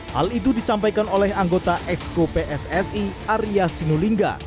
hal itu disampaikan oleh anggota exco pssi arya sinulinga